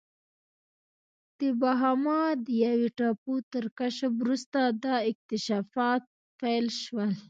د باهاما د یوې ټاپو تر کشف وروسته دا اکتشافات پیل شول.